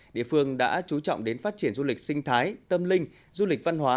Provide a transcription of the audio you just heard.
địa phương đã chú trọng đến phát triển du lịch sinh thái tâm linh du lịch văn hóa